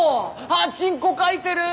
あっチンコかいてる。